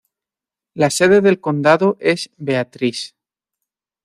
La sede del condado es Beatrice.